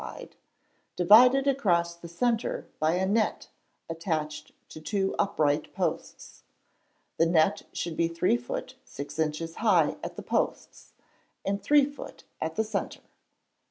wide, divided across the centre by a net attached to two upright posts. The net should be 3 ft. 6 in. high at the posts, and 3 ft. at the centre.